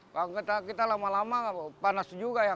kalau kita lama lama panas juga ya